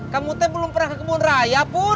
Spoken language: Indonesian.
kamu teh belum pernah ke kebun raya pur